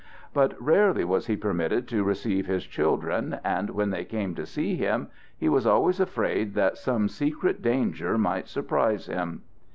But rarely was he permitted to receive his children, and when they came to see him, he was always afraid that some secret danger might surprise him.